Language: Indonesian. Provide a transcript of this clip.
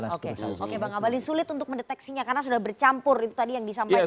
oke oke bang abalin sulit untuk mendeteksinya karena sudah bercampur itu tadi yang disampaikan